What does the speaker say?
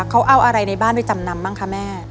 เขาเอาอะไรในบ้านไปจำนำบ้างคะแม่